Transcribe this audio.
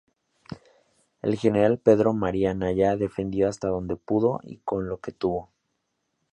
El general Pedro María Anaya defendió hasta donde pudo y con lo que tuvo.